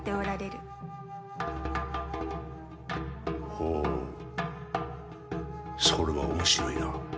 ほうそれは面白いな。